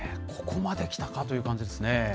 ここまできたかという感じですね。